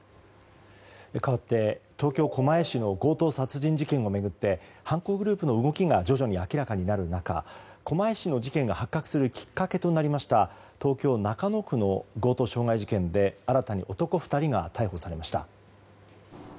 かわって東京狛江市の強盗殺人事件を巡って犯行グループの動きが徐々に明らかになる中狛江市の事件が発覚するきっかけとなりました東京・中野区の強盗傷害事件で新たに男２人が逮捕されました。